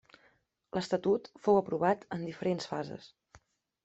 L'estatut fou aprovat en diferents fases.